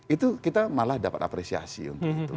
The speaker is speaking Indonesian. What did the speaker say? itu kita malah dapat apresiasi untuk itu